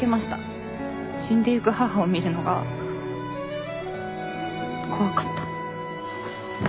死んでゆく母を見るのが怖かった。